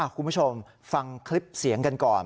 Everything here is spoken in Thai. คุณผู้ชมฟังคลิปเสียงกันก่อน